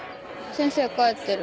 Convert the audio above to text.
先生帰ってる！